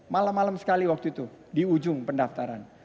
malam malam sekali waktu itu di ujung pendaftaran